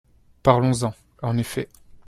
Parlons-en, en effet